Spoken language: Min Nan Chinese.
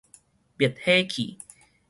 滅火器